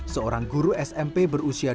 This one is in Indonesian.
seorang guru smp berusia dua belas tahun